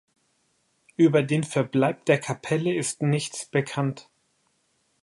Über den Verbleib der Kapelle ist nichts bekannt.